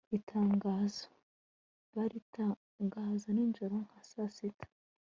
itangazo baritangaza ninjoro nka saa sita